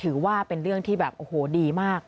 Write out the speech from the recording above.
ถือว่าเป็นเรื่องที่แบบโอ้โหดีมาก